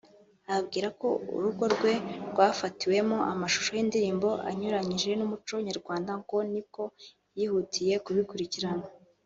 abwirwa ko urugo rwe rwafatiwemo amashusho y’indirimbo “anyuranije n’umuco nyarwanda” ngo nibwo yihutiye kubikurikirana